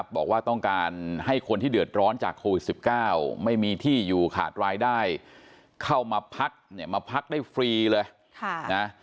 บอกว่าต้องการให้คนที่เดือดร้อนจากโควิด๑๙ไม่มีที่อยู่ขาดรายได้เข้ามาพักเนี่ยมาพักได้ฟรีเลยนะ